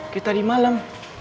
kita di malam